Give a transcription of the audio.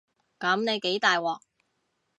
噉你幾大鑊